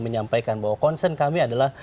menyampaikan bahwa concern kami adalah